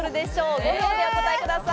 ５秒でお答えください。